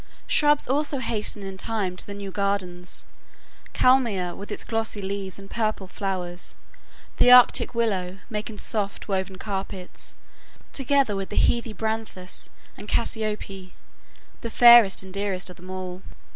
Shrubs also hasten in time to the new gardens,—kalmia with its glossy leaves and purple flowers, the arctic willow, making soft woven carpets, together with the heathy bryanthus and cassiope, the fairest and dearest of them all.